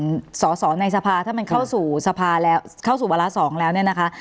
สอสอในสภาถ้ามันเข้าสู่สภาแล้วเข้าสู่วาระสองแล้วเนี่ยนะคะ